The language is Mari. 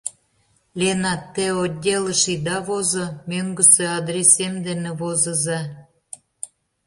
Лена, те отделыш ида возо, мӧҥгысӧ адресем дене возыза.